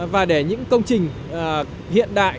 và để những công trình hiện đại